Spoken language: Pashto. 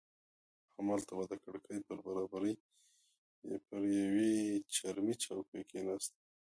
همالته به د کړکۍ پر برابري پر یوې چرمي چوکۍ کښېناستم.